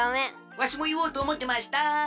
わしもいおうとおもってました。